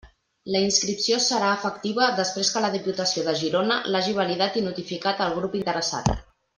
La inscripció serà efectiva després que la Diputació de Girona l'hagi validat i notificat al grup interessat.